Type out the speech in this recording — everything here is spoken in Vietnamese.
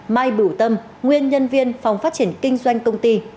mai bủ tâm nguyên nhân viên phòng phát triển kinh doanh công ty